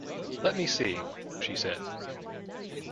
"Let me see," said she.